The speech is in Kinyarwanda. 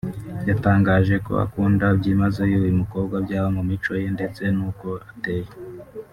yatangaje ko akunda byimazeyo uyu mukobwa byaba mu mico ye ndetse n’uko ateye